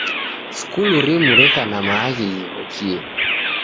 Skulu rimu reka na maaghi ghighokie.